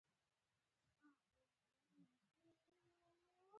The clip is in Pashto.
ډاکټر په داسې حال کې چي زما په عملیاتو مصروف وو وویل.